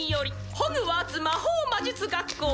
「ホグワーツ魔法魔術学校を」